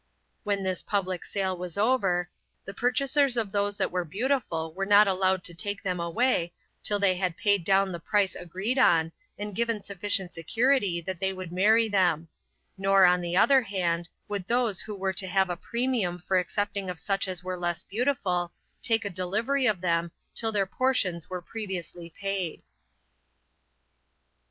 When this public sale was over, the purchasers of those that were beautiful were not allowed to take them away, till they had paid down the price agreed on, and given sufficient security that they would marry them; nor, on the other hand, would those who were to have a premium for accepting of such as were less beautiful, take a delivery of them, till their portions were previously paid.